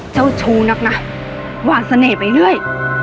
เจ้าชู้นักนะวางเสน่ห์ไปเรื่อย